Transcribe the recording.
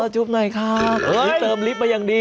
จุ๊บหน่อยค่ะคือเติมลิฟต์มาอย่างดี